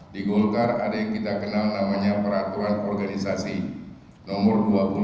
di golkar ada yang kita kenal namanya peraturan organisasi nomor dua puluh dua